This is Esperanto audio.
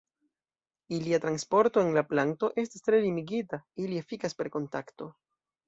Ilia transporto en la planto estas tre limigita, ili efikas per kontakto.